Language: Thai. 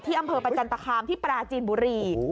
อำเภอประจันตคามที่ปราจีนบุรี